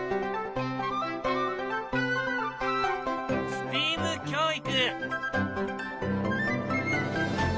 ＳＴＥＡＭ教育。